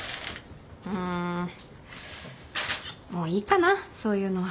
うーんもういいかなそういうのは。